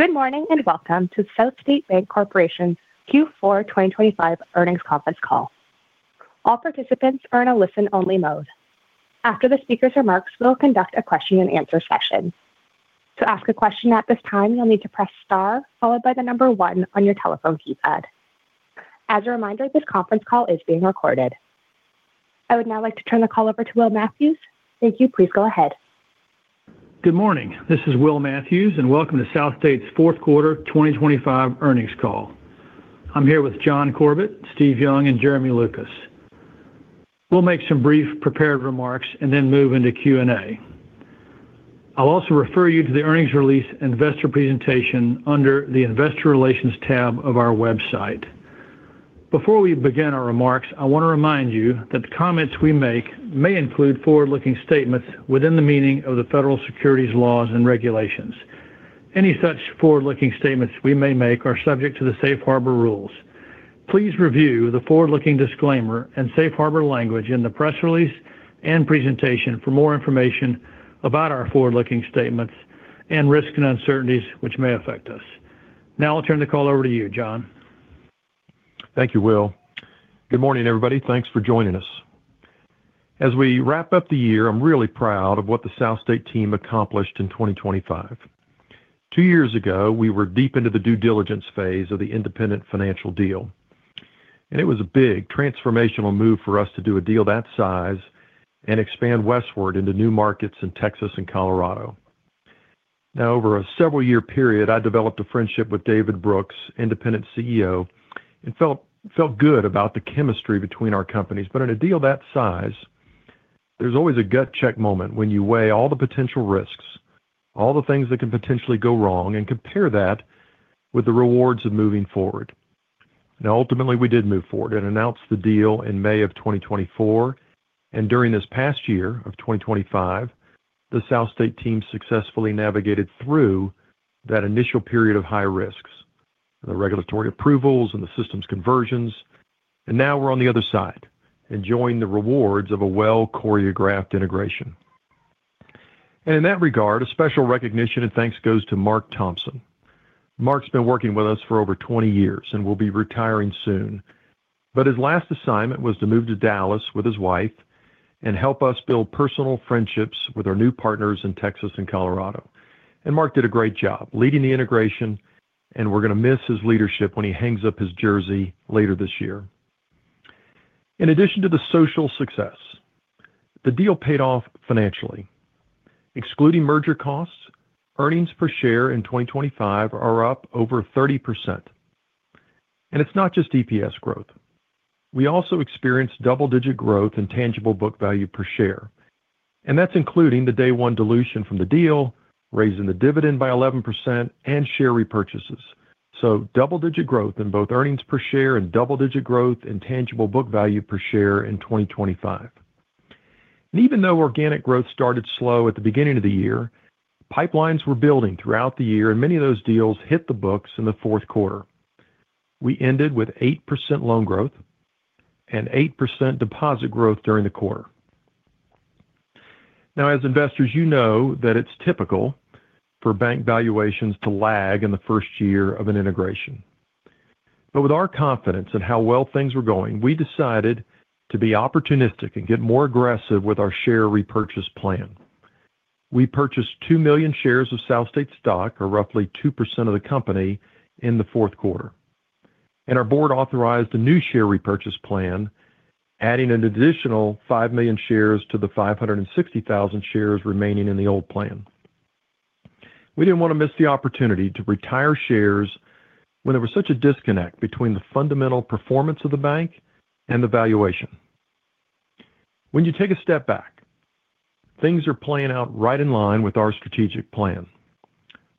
Good morning and welcome to SouthState Bank Corporation's Q4 2025 Earnings Conference Call. All participants are in a listen-only mode. After the speaker's remarks, we'll conduct a question-and-answer session. To ask a question at this time, you'll need to press star followed by the number 1 on your telephone keypad. As a reminder, this conference call is being recorded. I would now like to turn the call over to Will Matthews. Thank you. Please go ahead. Good morning. This is Will Matthews, and welcome to SouthState's Q4 2025 Earnings Call. I'm here with John Corbett, Steve Young, and Jeremy Lucas. We'll make some brief prepared remarks and then move into Q&A. I'll also refer you to the earnings release investor presentation under the investor relations tab of our website. Before we begin our remarks, I want to remind you that the comments we make may include forward-looking statements within the meaning of the federal securities laws and regulations. Any such forward-looking statements we may make are subject to the safe harbor rules. Please review the forward-looking disclaimer and safe harbor language in the press release and presentation for more information about our forward-looking statements and risk and uncertainties which may affect us. Now I'll turn the call over to you, John. Thank you, Will. Good morning, everybody. Thanks for joining us. As we wrap up the year, I'm really proud of what the SouthState team accomplished in 2025. 2 years ago, we were deep into the due diligence phase of the Independent Financial deal, and it was a big transformational move for us to do a deal that size and expand westward into new markets in Texas and Colorado. Now, over a several-year period, I developed a friendship with David Brooks, Independent CEO, and felt good about the chemistry between our companies. But in a deal that size, there's always a gut-check moment when you weigh all the potential risks, all the things that can potentially go wrong, and compare that with the rewards of moving forward. Now, ultimately, we did move forward and announced the deal in May of 2024. During this past year of 2025, the SouthState team successfully navigated through that initial period of high risks, the regulatory approvals, and the systems conversions. Now we're on the other side enjoying the rewards of a well-choreographed integration. In that regard, a special recognition and thanks goes to Mark Thompson. Mark's been working with us for over 20 years and will be retiring soon. But his last assignment was to move to Dallas with his wife and help us build personal friendships with our new partners in Texas and Colorado. Mark did a great job leading the integration, and we're going to miss his leadership when he hangs up his jersey later this year. In addition to the social success, the deal paid off financially. Excluding merger costs, earnings per share in 2025 are up over 30%. It's not just EPS growth. We also experienced double-digit growth in tangible book value per share. That's including the day-one dilution from the deal, raising the dividend by 11% and share repurchases. Double-digit growth in both earnings per share and double-digit growth in tangible book value per share in 2025. Even though organic growth started slow at the beginning of the year, pipelines were building throughout the year, and many of those deals hit the books in the Q4. We ended with 8% loan growth and 8% deposit growth during the quarter. Now, as investors, you know that it's typical for bank valuations to lag in the first year of an integration. With our confidence in how well things were going, we decided to be opportunistic and get more aggressive with our share repurchase plan. We purchased 2 million shares of SouthState stock, or roughly 2% of the company, in the Q4. Our board authorized a new share repurchase plan, adding an additional 5 million shares to the 560,000 shares remaining in the old plan. We didn't want to miss the opportunity to retire shares when there was such a disconnect between the fundamental performance of the bank and the valuation. When you take a step back, things are playing out right in line with our strategic plan.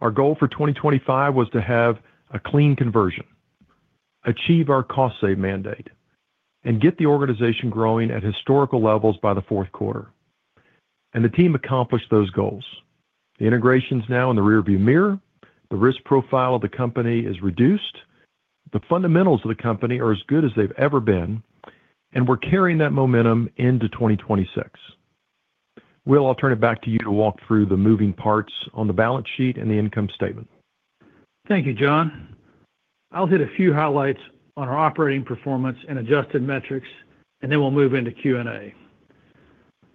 Our goal for 2025 was to have a clean conversion, achieve our cost-save mandate, and get the organization growing at historical levels by the Q4. The team accomplished those goals. The integration's now in the rearview mirror. The risk profile of the company is reduced. The fundamentals of the company are as good as they've ever been. We're carrying that momentum into 2026. Will, I'll turn it back to you to walk through the moving parts on the balance sheet and the income statement. Thank you, John. I'll hit a few highlights on our operating performance and adjusted metrics, and then we'll move into Q&A.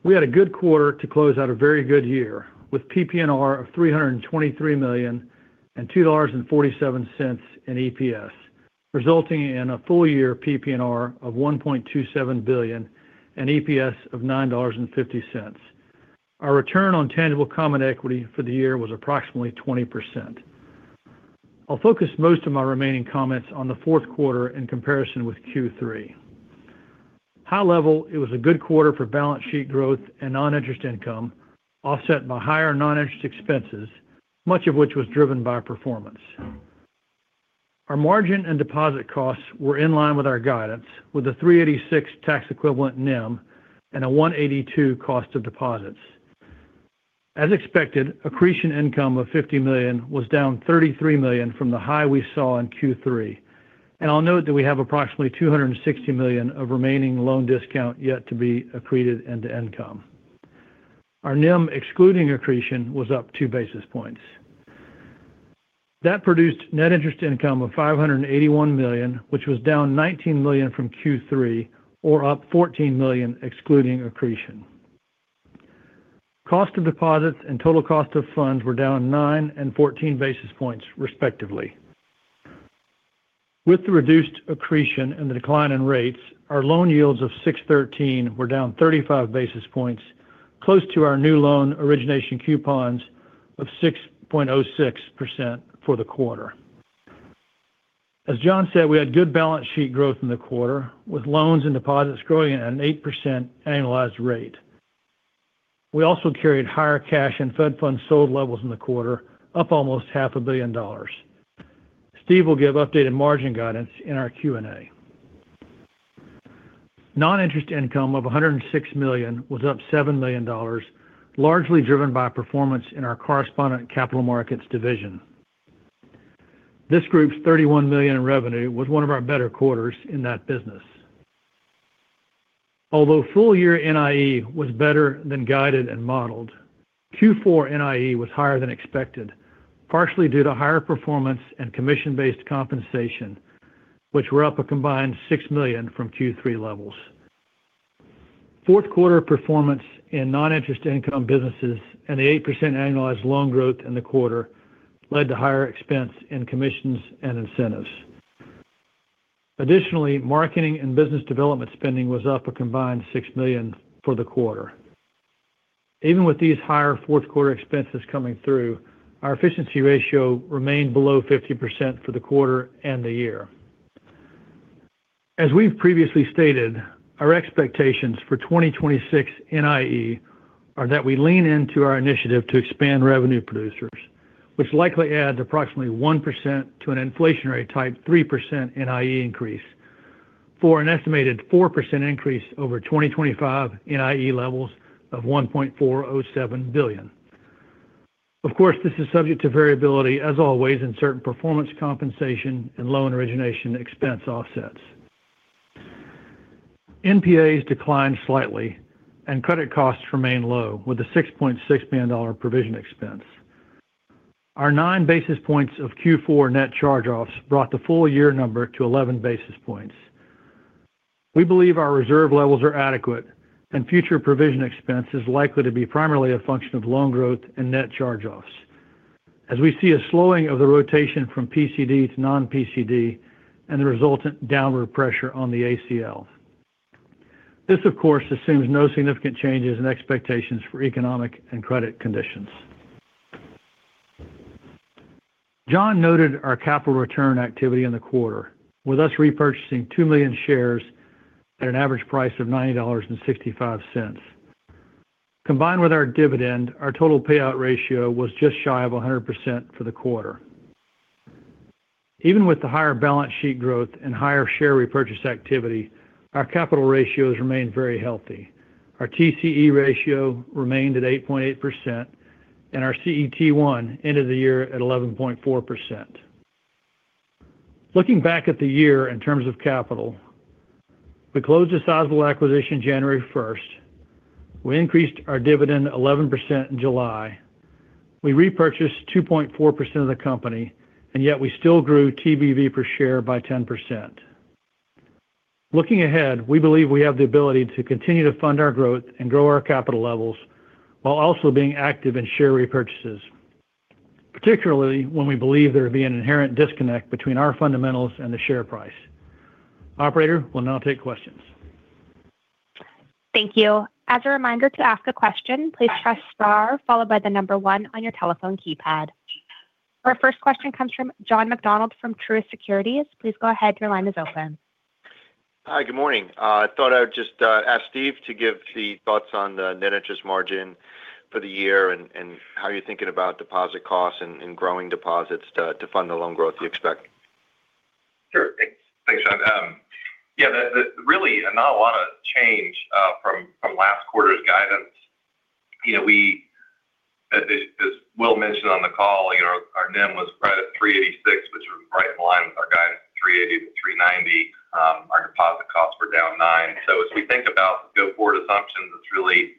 We had a good quarter to close out a very good year with PP&R of $323 million and $2.47 in EPS, resulting in a full-year PP&R of $1.27 billion and EPS of $9.50. Our return on tangible common equity for the year was approximately 20%. I'll focus most of my remaining comments on the Q4 in comparison with Q3. High level, it was a good quarter for balance sheet growth and non-interest income, offset by higher non-interest expenses, much of which was driven by performance. Our margin and deposit costs were in line with our guidance, with a 3.86% tax-equivalent NIM and a 1.82% cost of deposits. As expected, accretion income of $50 million was down $33 million from the high we saw in Q3. I'll note that we have approximately $260 million of remaining loan discount yet to be accreted into income. Our NIM excluding accretion was up 2 basis points. That produced net interest income of $581 million, which was down $19 million from Q3, or up $14 million excluding accretion. Cost of deposits and total cost of funds were down 9 and 14 basis points, respectively. With the reduced accretion and the decline in rates, our loan yields of 6.13% were down 35 basis points, close to our new loan origination coupons of 6.06% for the quarter. As John said, we had good balance sheet growth in the quarter, with loans and deposits growing at an 8% annualized rate. We also carried higher cash and Fed Funds Sold levels in the quarter, up almost $500 million. Steve will give updated margin guidance in our Q&A. Non-interest income of $106 million was up $7 million, largely driven by performance in our correspondent capital markets division. This group's $31 million in revenue was one of our better quarters in that business. Although full-year NIE was better than guided and modeled, Q4 NIE was higher than expected, partially due to higher performance and commission-based compensation, which were up a combined $6 million from Q3 levels. Q4 performance in non-interest income businesses and the 8% annualized loan growth in the quarter led to higher expense in commissions and incentives. Additionally, marketing and business development spending was up a combined $6 million for the quarter. Even with these higher Q4 expenses coming through, our efficiency ratio remained below 50% for the quarter and the year. As we've previously stated, our expectations for 2026 NIE are that we lean into our initiative to expand revenue producers, which likely adds approximately 1% to an inflationary type 3% NIE increase for an estimated 4% increase over 2025 NIE levels of $1.407 billion. Of course, this is subject to variability, as always, in certain performance compensation and loan origination expense offsets. NPAs declined slightly, and credit costs remained low with a $6.6 million provision expense. Our nine basis points of Q4 net charge-offs brought the full-year number to 11 basis points. We believe our reserve levels are adequate, and future provision expense is likely to be primarily a function of loan growth and net charge-offs, as we see a slowing of the rotation from PCD to non-PCD and the resultant downward pressure on the ACL. This, of course, assumes no significant changes in expectations for economic and credit conditions. John noted our capital return activity in the quarter, with us repurchasing 2 million shares at an average price of $90.65. Combined with our dividend, our total payout ratio was just shy of 100% for the quarter. Even with the higher balance sheet growth and higher share repurchase activity, our capital ratios remained very healthy. Our TCE ratio remained at 8.8%, and our CET1 ended the year at 11.4%. Looking back at the year in terms of capital, we closed a sizable acquisition January 1st. We increased our dividend 11% in July. We repurchased 2.4% of the company, and yet we still grew TBV per share by 10%. Looking ahead, we believe we have the ability to continue to fund our growth and grow our capital levels while also being active in share repurchases, particularly when we believe there would be an inherent disconnect between our fundamentals and the share price. Operator will now take questions. Thank you. As a reminder to ask a question, please press star followed by the number one on your telephone keypad. Our first question comes from John McDonald from Truist Securities. Please go ahead. Your line is open. Hi, good morning. I thought I would just ask Steve to give the thoughts on the net interest margin for the year and how you're thinking about deposit costs and growing deposits to fund the loan growth you expect. Sure. Thanks, John. Yeah, really not a lot of change from last quarter's guidance. As Will mentioned on the call, our NIM was right at 3.86%, which was right in line with our guidance of 3.80%-3.90%. Our deposit costs were down 9. So as we think about the go-forward assumptions, it's really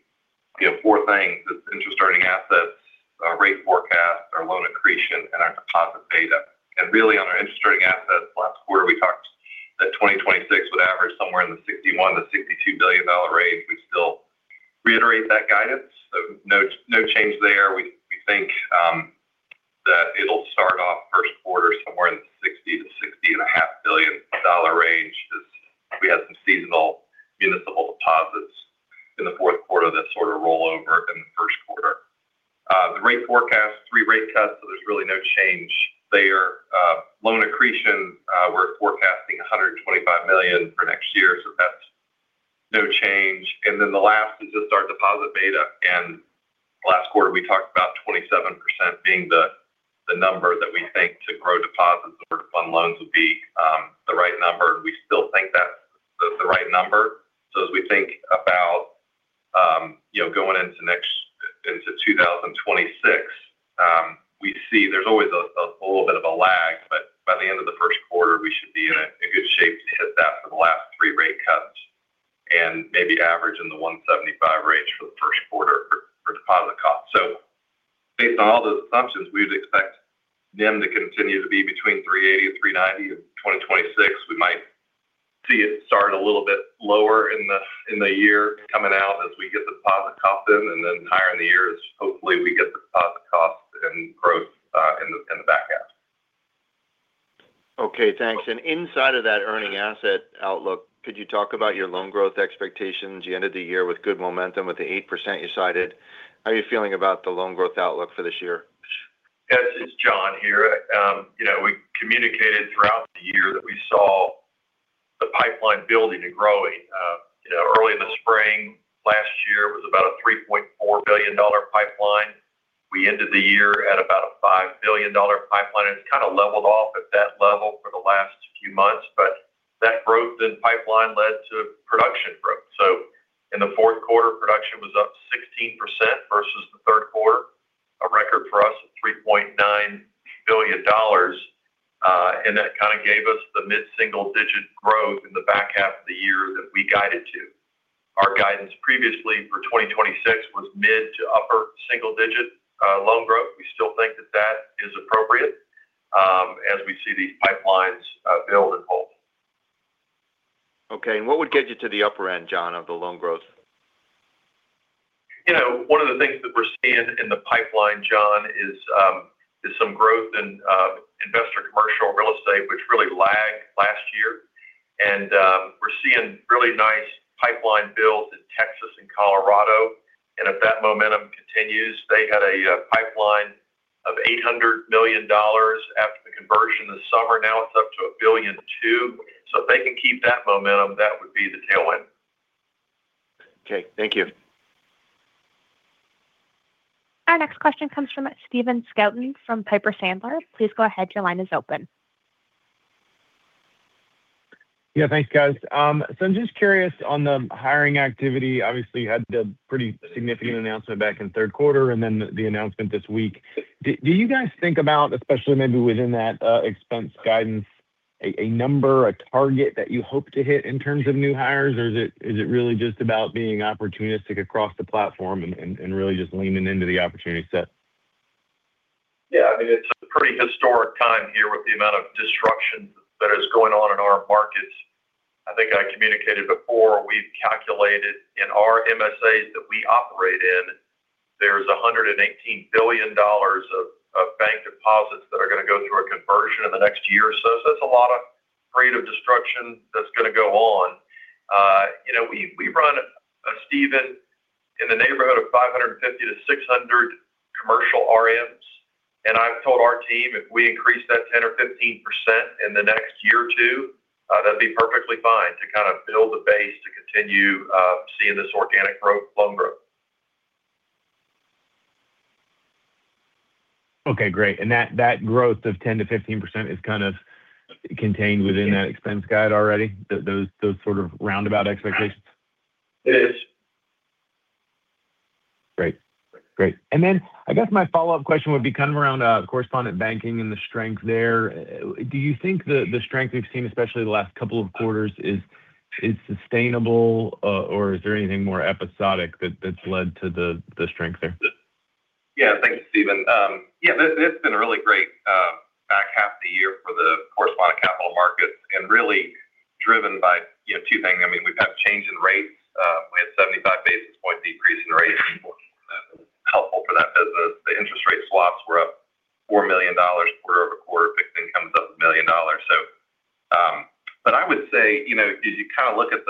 four things: interest-earning assets, our rate forecast, our loan accretion, and our deposit beta. And really, on our interest-earning assets, last quarter we talked that 2026 would average somewhere in the $61-$62 billion range. We still reiterate that guidance, so no change there. We think that it'll start off Q1 somewhere in the $60-$60.5 billion range because we had some seasonal municipal deposits in the Q4 that sort of rolled over in the Q1. The rate forecast, 3 rate cuts, so there's really no change there. Loan accretion, we're forecasting $125 million for next year, so that's no change. Then the last is just our deposit beta. Last quarter, we talked about 27% being the number that we think to grow deposits or to fund loans would be the right number. We still think that's the right number. As we think about going into 2026, we see there's always a little bit of a lag, but by the end of the Q1, we should be in good shape to hit that for the last three rate cuts and maybe average in the 1.75% range for the Q1 for deposit costs. Based on all those assumptions, we would expect NIM to continue to be between 380 and 390 in 2026. We might see it start a little bit lower in the year coming out as we get the deposit cost in, and then higher in the year as hopefully we get the deposit costs and growth in the back half. Okay, thanks. Inside of that earning asset outlook, could you talk about your loan growth expectations? You ended the year with good momentum with the 8% you cited. How are you feeling about the loan growth outlook for this year? It's John here. We communicated throughout the year that we saw the pipeline building and growing. Early in the spring last year, it was about a $3.4 billion pipeline. We ended the year at about a $5 billion pipeline. It's kind of leveled off at that level for the last few months, but that growth in pipeline led to production growth. In the Q4, production was up 16% versus the Q3, a record for us of $3.9 billion. That kind of gave us the mid-single-digit growth in the back half of the year that we guided to. Our guidance previously for 2026 was mid to upper single-digit loan growth. We still think that that is appropriate as we see these pipelines build and hold. Okay. What would get you to the upper end, John, of the loan growth? One of the things that we're seeing in the pipeline, John, is some growth in investor commercial real estate, which really lagged last year. We're seeing really nice pipeline builds in Texas and Colorado. If that momentum continues, they had a pipeline of $800 million after the conversion this summer. Now it's up to $1 billion too. If they can keep that momentum, that would be the tailwind. Okay. Thank you. Our next question comes from Stephen Scouten from Piper Sandler. Please go ahead. Your line is open. Yeah, thanks, guys. So I'm just curious on the hiring activity. Obviously, you had a pretty significant announcement back in Q3 and then the announcement this week. Do you guys think about, especially maybe within that expense guidance, a number, a target that you hope to hit in terms of new hires, or is it really just about being opportunistic across the platform and really just leaning into the opportunity set? Yeah, I mean, it's a pretty historic time here with the amount of disruption that is going on in our markets. I think I communicated before, we've calculated in our MSAs that we operate in, there's $118 billion of bank deposits that are going to go through a conversion in the next year or so. So that's a lot of creative destruction that's going to go on. We run about in the neighborhood of 550 to 600 commercial RMs. And I've told our team if we increase that 10% or 15% in the next year or two, that'd be perfectly fine to kind of build the base to continue seeing this organic growth, loan growth. Okay, great. And that growth of 10%-15% is kind of contained within that expense guide already, those sort of roundabout expectations? It is. Great. Great. And then I guess my follow-up question would be kind of around correspondent banking and the strength there. Do you think the strength we've seen, especially the last couple of quarters, is sustainable, or is there anything more episodic that's led to the strength there? Yeah, thank you, Steven. Yeah, it's been a really great back half of the year for the correspondent capital markets and really driven by two things. I mean, we've had a change in rates. We had 75 basis point decrease in rates, helpful for that business. The interest rate swaps were up $4 million quarter-over-quarter. Fixed income is up $1 million. But I would say, as you kind of look at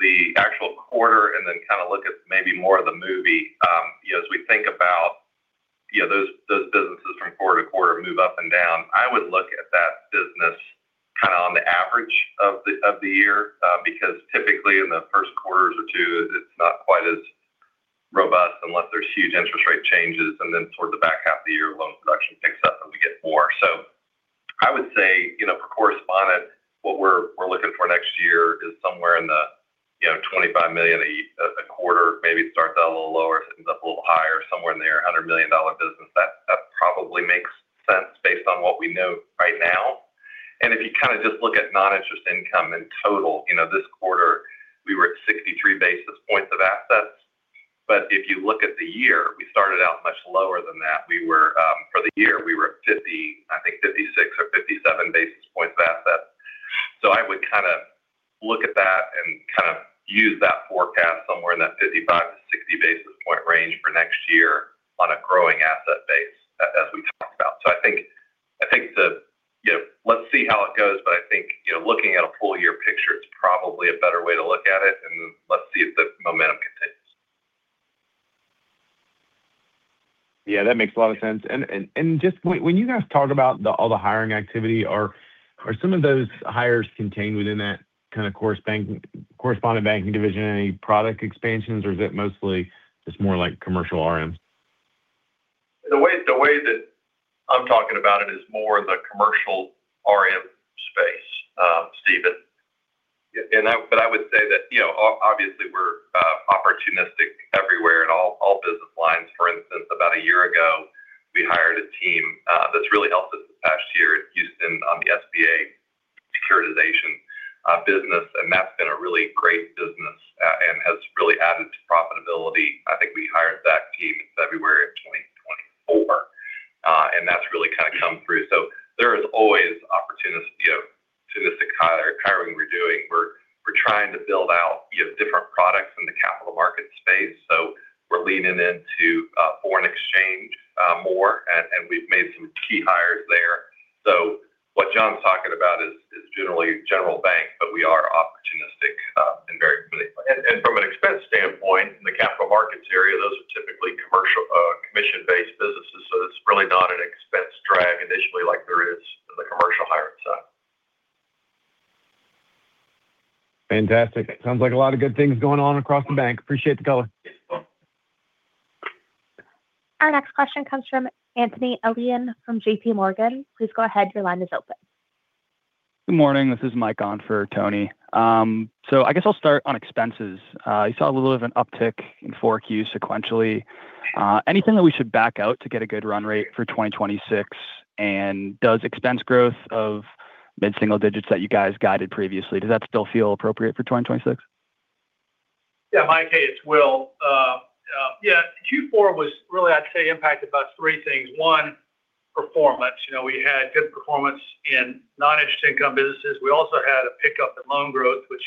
the actual quarter and then kind of look at maybe more of the movie, as we think about those businesses from quarter-to-quarter move up and down, I would look at that business kind of on the average of the year because typically in the Q1 or two, it's not quite as robust unless there's huge interest rate changes. Then toward the back half of the year, loan production picks up and we get more. So I would say for correspondent, what we're looking for next year is somewhere in the $25 million a quarter, maybe start that a little lower, ends up a little higher, somewhere in there, $100 million business. That probably makes sense based on what we know right now. If you kind of just look at non-interest income in total, this quarter, we were at 63 basis points of assets. But if you look at the year, we started out much lower than that. For the year, we were at, I think, 56 or 57 basis points of assets. So I would kind of look at that and kind of use that forecast somewhere in that 55-60 basis point range for next year on a growing asset base as we talked about. So I think let's see how it goes, but I think looking at a full-year picture, it's probably a better way to look at it. And let's see if the momentum continues. Yeah, that makes a lot of sense. And just when you guys talk about all the hiring activity, are some of those hires contained within that kind of correspondent banking division? Any product expansions, or is it mostly just more like commercial RMs? The way that I'm talking about it is more the commercial RM space, Steven. But I would say that obviously we're opportunistic everywhere in all business lines. For instance, about a year ago, we hired a team that's really helped us this past year at Houston on the SBA securitization business. And that's been a really great business and has really added to profitability. I think we hired that team in February of 2024, and that's really kind of come through. So there is always opportunistic hiring we're doing. We're trying to build out different products in the capital market space. So we're leaning into foreign exchange more, and we've made some key hires there. So what John's talking about is generally general bank, but we are opportunistic in very many ways. And from an expense standpoint, in the capital markets area, those are typically commission-based businesses. It's really not an expense drag initially like there is in the commercial hiring side. Fantastic. Sounds like a lot of good things going on across the bank. Appreciate the call. Our next question comes from Anthony Elian from JPMorgan. Please go ahead. Your line is open. Good morning. This is Mike, on for Tony. So I guess I'll start on expenses. You saw a little bit of an uptick in for Q sequentially. Anything that we should back out to get a good run rate for 2026? And does expense growth of mid-single digits that you guys guided previously, does that still feel appropriate for 2026? Yeah, my case will. Yeah, Q4 was really, I'd say, impacted by three things. One, performance. We had good performance in non-interest income businesses. We also had a pickup in loan growth, which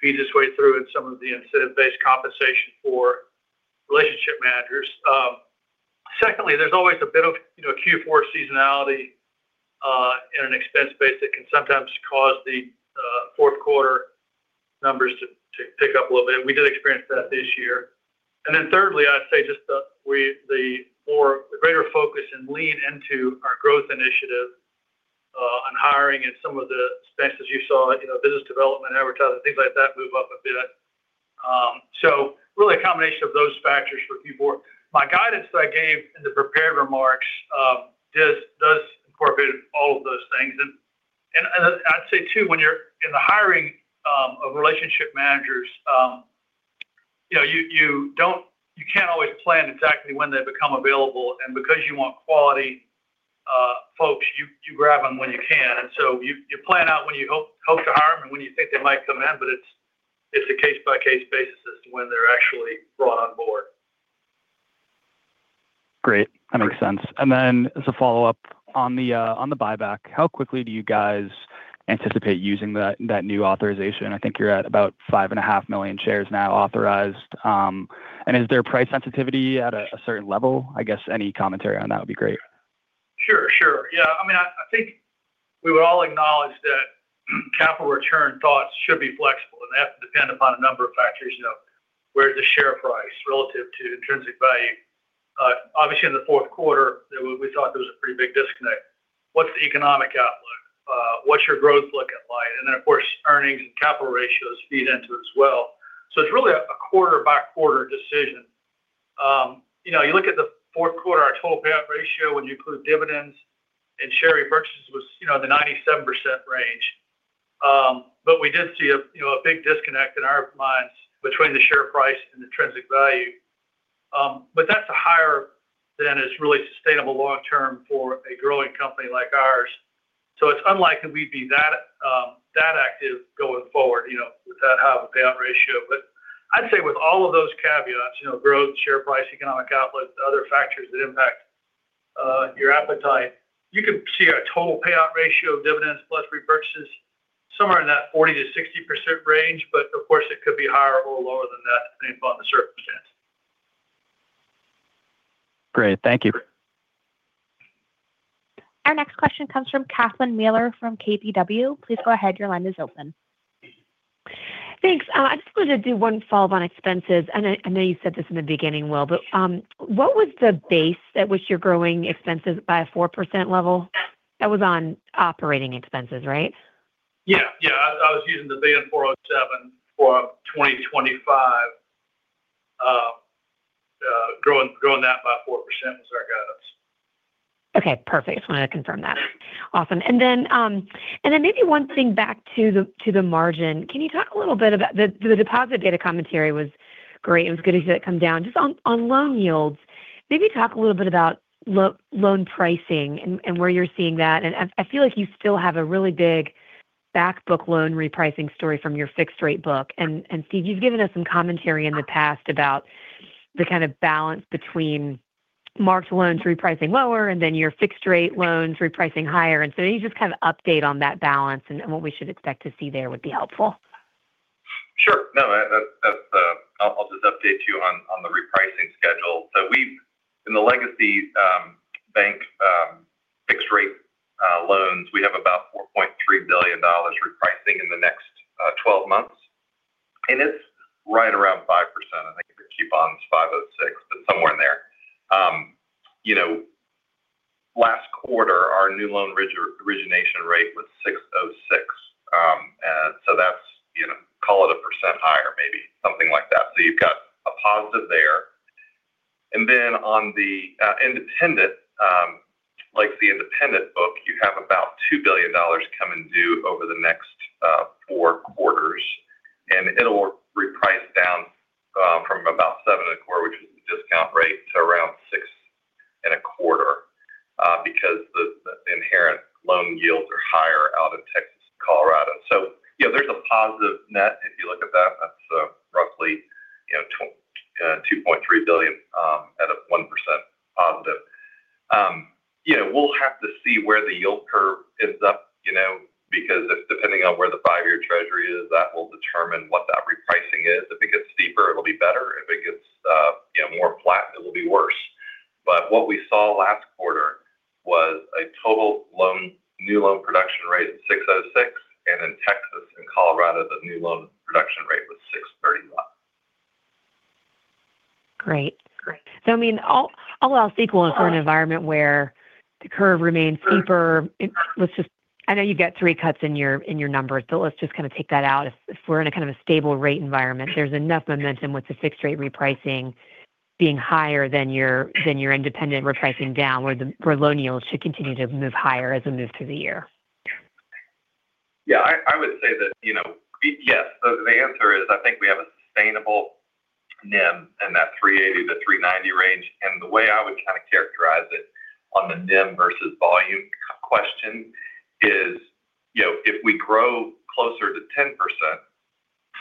feeds its way through in some of the incentive-based compensation for relationship managers. Secondly, there's always a bit of Q4 seasonality in an expense space that can sometimes cause the Q4 numbers to pick up a little bit. We did experience that this year. And then thirdly, I'd say just the greater focus and lean into our growth initiative on hiring and some of the expenses you saw, business development, advertising, things like that move up a bit. So really a combination of those factors for Q4. My guidance that I gave in the prepared remarks does incorporate all of those things. I'd say too, when you're in the hiring of relationship managers, you can't always plan exactly when they become available. And because you want quality folks, you grab them when you can. So you plan out when you hope to hire them and when you think they might come in, but it's a case-by-case basis when they're actually brought on board. Great. That makes sense. And then as a follow-up on the buyback, how quickly do you guys anticipate using that new authorization? I think you're at about 5.5 million shares now authorized. And is there price sensitivity at a certain level? I guess any commentary on that would be great. Sure. Sure. Yeah. I mean, I think we would all acknowledge that capital return thoughts should be flexible, and they have to depend upon a number of factors. Where's the share price relative to intrinsic value? Obviously, in the Q4, we thought there was a pretty big disconnect. What's the economic outlook? What's your growth looking like? And then, of course, earnings and capital ratios feed into it as well. So it's really a quarter-by-quarter decision. You look at the Q4, our total payout ratio when you include dividends and share repurchases was in the 97% range. But we did see a big disconnect in our minds between the share price and intrinsic value. But that's a higher than is really sustainable long term for a growing company like ours. So it's unlikely we'd be that active going forward with that high of a payout ratio. But I'd say with all of those caveats, growth, share price, economic outlook, the other factors that impact your appetite, you can see our total payout ratio, dividends plus repurchases, somewhere in that 40%-60% range. But of course, it could be higher or lower than that depending upon the circumstance. Great. Thank you. Our next question comes from Catherine Mealor from KBW. Please go ahead. Your line is open. Thanks. I just wanted to do one follow-up on expenses. I know you said this in the beginning, Will, but what was the base at which you're growing expenses by a 4% level? That was on operating expenses, right? Yeah. Yeah. I was using the base of 1.407 for 2025. Growing that by 4% was our guidance. Okay. Perfect. Just wanted to confirm that. Awesome. And then maybe one thing back to the margin. Can you talk a little bit about the deposit beta commentary? It was great. It was good to see that come down. Just on loan yields, maybe talk a little bit about loan pricing and where you're seeing that. And I feel like you still have a really big backbook loan repricing story from your fixed rate book. And Steve, you've given us some commentary in the past about the kind of balance between marked loans repricing lower and then your fixed rate loans repricing higher. And so you just kind of update on that balance and what we should expect to see there would be helpful. Sure. No, I'll just update you on the repricing schedule. So in the legacy bank fixed rate loans, we have about $4.3 billion repricing in the next 12 months. And it's right around 5%. I think you can keep on 5.06%, but somewhere in there. Last quarter, our new loan origination rate was 6.06. So that's, call it, 1% higher, maybe something like that. So you've got a positive there. And then on the independent, like the independent book, you have about $2 billion coming due over the next 4 quarters. And it'll reprice down from about 7.25%, which is the discount rate, to around 6.25% because the inherent loan yields are higher out of Texas and Colorado. So there's a positive net if you look at that. That's roughly $2.3 billion at a 1% positive. We'll have to see where the yield curve ends up because depending on where the five-year treasury is, that will determine what that repricing is. If it gets steeper, it'll be better. If it gets more flat, it will be worse. But what we saw last quarter was a total new loan production rate of 606. And in Texas and Colorado, the new loan production rate was 631. Great. So I mean, all else equal for an environment where the curve remains steeper. I know you've got 3 cuts in your numbers, but let's just kind of take that out. If we're in a kind of a stable rate environment, there's enough momentum with the fixed rate repricing being higher than your independent repricing down where the loan yields should continue to move higher as we move through the year. Yeah. I would say that yes. The answer is I think we have a sustainable NIM in that 3.80%-3.90% range. And the way I would kind of characterize it on the NIM versus volume question is if we grow closer to 10%,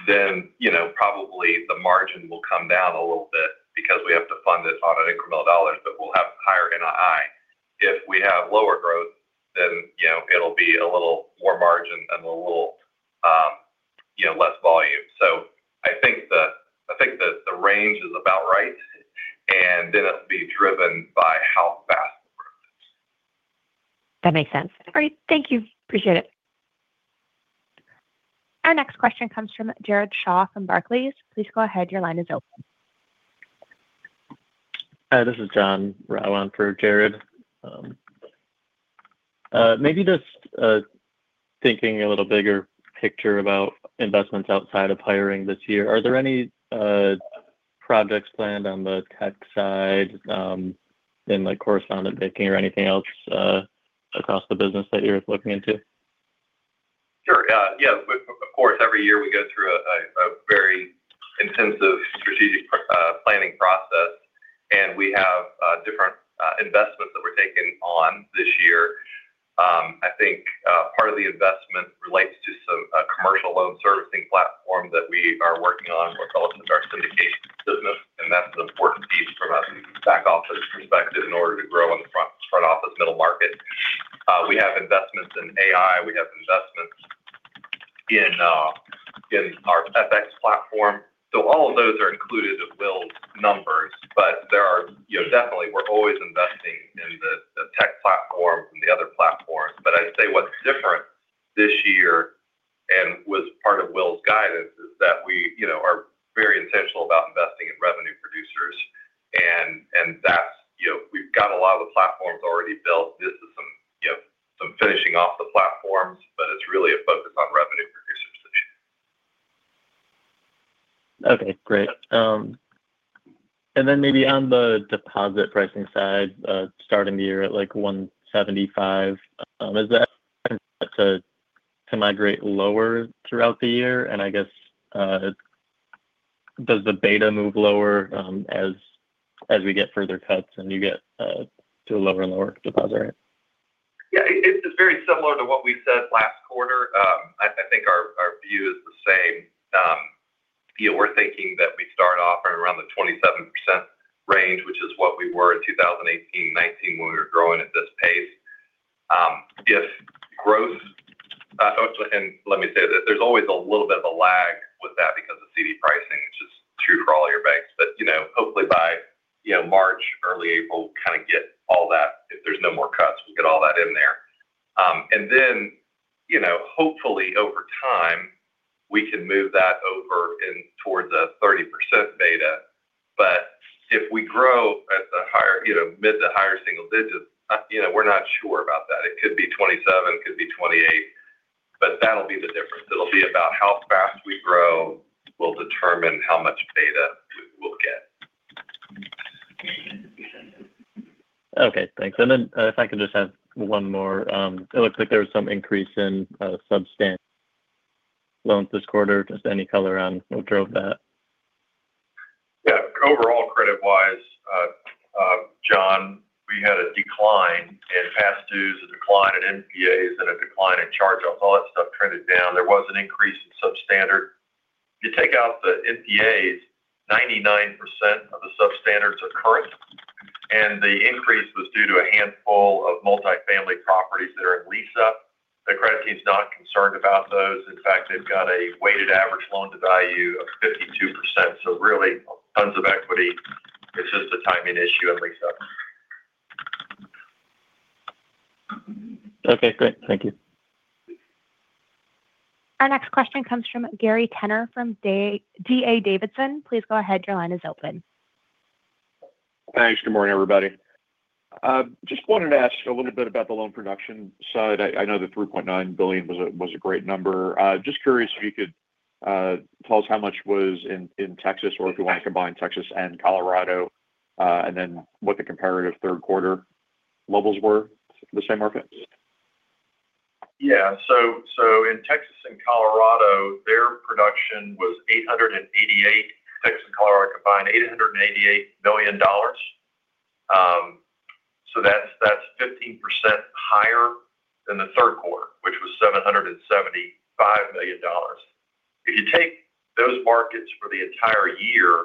then probably the margin will come down a little bit because we have to fund it on an incremental dollar, but we'll have higher NII. If we have lower growth, then it'll be a little more margin and a little less volume. So I think the range is about right. And then it's to be driven by how fast the growth is. That makes sense. All right. Thank you. Appreciate it. Our next question comes from Jared Shaw from Barclays. Please go ahead. Your line is open. This is John Rowan for Jared. Maybe just thinking a little bigger picture about investments outside of hiring this year, are there any projects planned on the tech side in correspondent banking or anything else across the business that you're looking into? Sure. Yeah. Of course, every year we go through a very intensive strategic planning process. We have different investments that we're taking on this year. I think part of the investment relates to some commercial loan servicing platform that we are working on with relative to our syndication business. That's an important piece from a back office perspective in order to grow in the front office middle market. We have investments in AI. We have investments in our FX platform. So all of those are included in Will's numbers. But definitely, we're always investing in the tech platform and the other platforms. But I'd say what's different this year and was part of Will's guidance is that we are very intentional about investing in revenue producers. We've got a lot of the platforms already built. This is some finishing off the platforms, but it's really a focus on revenue producers. Okay. Great. And then maybe on the deposit pricing side, starting the year at 175, is that to migrate lower throughout the year? And I guess does the beta move lower as we get further cuts and you get to a lower and lower deposit, right? Yeah. It's very similar to what we said last quarter. I think our view is the same. We're thinking that we start off around the 27% range, which is what we were in 2018, 2019 when we were growing at this pace. If growth—and let me say that there's always a little bit of a lag with that because of CD pricing, which is true for all your banks. But hopefully by March, early April, we'll kind of get all that. If there's no more cuts, we'll get all that in there. And then hopefully over time, we can move that over towards a 30% beta. But if we grow at the mid to higher single digits, we're not sure about that. It could be 27, could be 28. But that'll be the difference. It'll be about how fast we grow will determine how much beta we'll get. Okay. Thanks. If I can just add one more, it looks like there was some increase in substandard loans this quarter. Just any color on what drove that? Yeah. Overall, credit-wise, John, we had a decline in past dues, a decline in NPAs, and a decline in charge-offs. All that stuff trended down. There was an increase in substandard. If you take out the NPAs, 99% of the substandards are current. And the increase was due to a handful of multifamily properties that are in lease-up. The credit team's not concerned about those. In fact, they've got a weighted average loan to value of 52%. So really, tons of equity. It's just a timing issue in lease-up. Okay. Great. Thank you. Our next question comes from Gary Tenner from D.A. Davidson. Please go ahead. Your line is open. Thanks. Good morning, everybody. Just wanted to ask a little bit about the loan production side. I know the $3.9 billion was a great number. Just curious if you could tell us how much was in Texas or if you want to combine Texas and Colorado, and then what the comparative Q3 levels were for the same market? Yeah. So in Texas and Colorado, their production was $888 million, Texas and Colorado combined. So that's 15% higher than the Q3, which was $775 million. If you take those markets for the entire year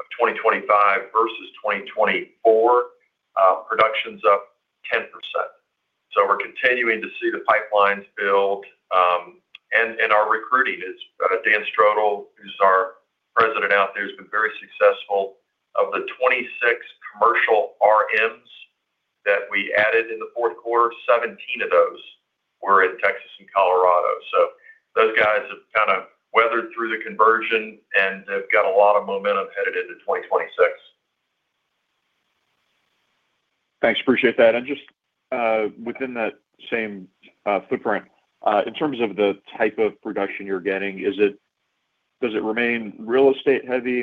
of 2025 versus 2024, production's up 10%. So we're continuing to see the pipelines build. Our recruiting is Dan Strodel, who's our president out there, has been very successful. Of the 26 commercial RMs that we added in the Q4, 17 of those were in Texas and Colorado. So those guys have kind of weathered through the conversion, and they've got a lot of momentum headed into 2026. Thanks. Appreciate that. And just within that same footprint, in terms of the type of production you're getting, does it remain real estate heavy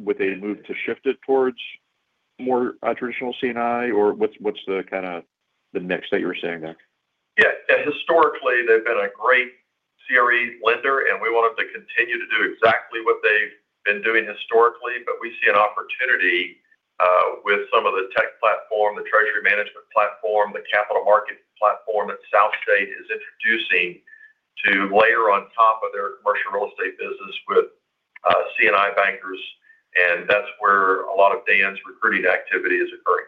with a move to shift it towards more traditional C&I, or what's the kind of the mix that you're seeing there? Yeah. Historically, they've been a great CRE lender, and we want them to continue to do exactly what they've been doing historically. But we see an opportunity with some of the tech platform, the treasury management platform, the capital market platform that SouthState is introducing to layer on top of their commercial real estate business with C&I bankers. And that's where a lot of Dan's recruiting activity is occurring.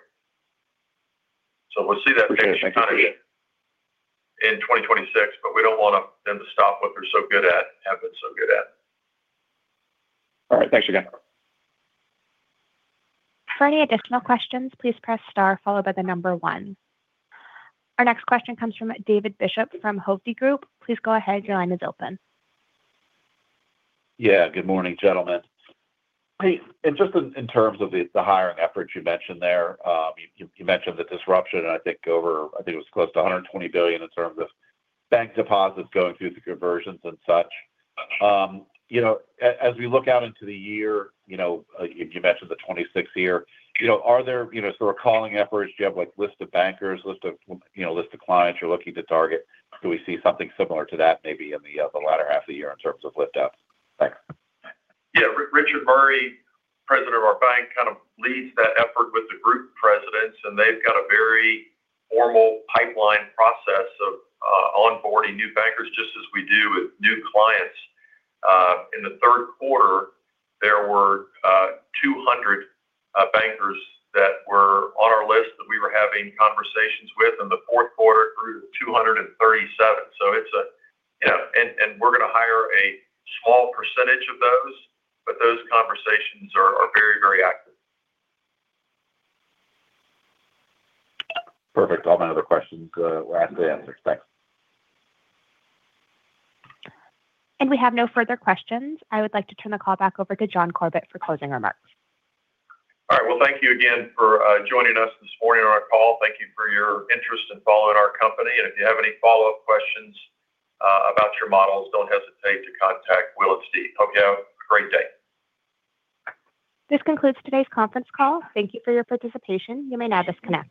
So we'll see that picture kind of in 2026, but we don't want them to stop what they're so good at, have been so good at. All right. Thanks again. For any additional questions, please press star followed by the number one. Our next question comes from David Bishop from Hovde Group. Please go ahead. Your line is open. Yeah. Good morning, gentlemen. Just in terms of the hiring efforts you mentioned there, you mentioned the disruption, and I think it was close to $120 billion in terms of bank deposits going through the conversions and such. As we look out into the year, you mentioned the 2026 year. Are there sort of calling efforts? Do you have a list of bankers, list of clients you're looking to target? Do we see something similar to that maybe in the latter half of the year in terms of lift-ups? Thanks. Yeah. Richard Murray, President of our bank, kind of leads that effort with the group presidents. And they've got a very formal pipeline process of onboarding new bankers just as we do with new clients. In the Q3, there were 200 bankers that were on our list that we were having conversations with. In the Q4, grew to 237. So it's a—and we're going to hire a small percentage of those, but those conversations are very, very active. Perfect. All my other questions were asked and answered. Thanks. We have no further questions. I would like to turn the call back over to John Corbett for closing remarks. All right. Well, thank you again for joining us this morning on our call. Thank you for your interest in following our company. And if you have any follow-up questions about your models, don't hesitate to contact Will and Steve. Hope you have a great day. This concludes today's conference call. Thank you for your participation. You may now disconnect.